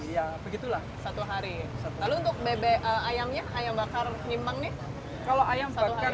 sembilan ratus ya begitulah satu hari lalu untuk bebek ayamnya ayam bakar nimbang nih kalau ayam bakar